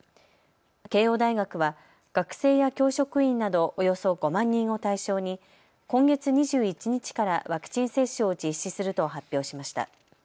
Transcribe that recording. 慶応大学は学生や教職員などおよそ５万人を対象に今月２１日からワクチン接種を実施すると発表しました。